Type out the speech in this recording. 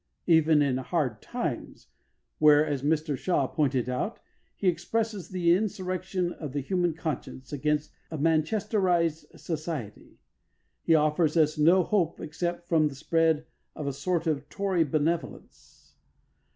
Even in Hard Times, where, as Mr Shaw pointed out, he expresses the insurrection of the human conscience against a Manchesterised society, he offers us no hope except from the spread of a sort of Tory benevolence.